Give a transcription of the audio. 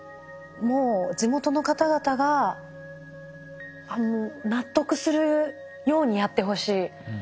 もう地元の方々が納得するようにやってほしい。